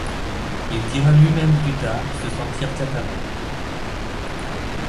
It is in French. Il dira lui-même plus tard, se sentir catalan.